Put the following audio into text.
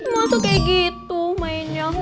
maksudnya kaya gitu mainnya